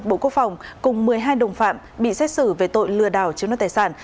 bộ quốc phòng cùng một mươi hai đồng phạm bị xét xử về tội lừa đảo chiếm đoạt tài sản